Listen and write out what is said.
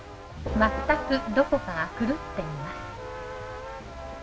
全くどこかが狂っています。